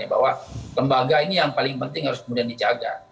bahwa lembaga ini yang paling penting harus kemudian dijaga